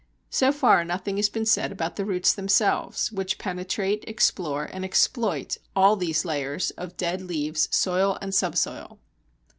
So far nothing has been said about the roots themselves, which penetrate, explore, and exploit all these layers of dead leaves, soil, and subsoil.